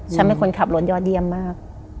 ฉันไม่ควรขับรถยอดเดียมมาก